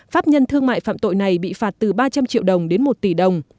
pháp nhân thương mại phạm tội này bị phạt từ ba trăm linh triệu đồng đến một tỷ đồng